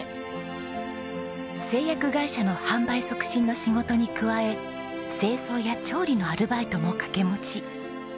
製薬会社の販売促進の仕事に加え清掃や調理のアルバイトも掛け持ち。